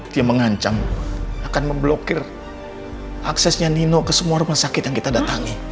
dia mengancam akan memblokir aksesnya nino ke semua rumah sakit yang kita datangi